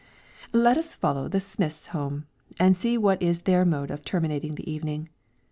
Let us follow the Smiths home, and see what is their mode of terminating the evening.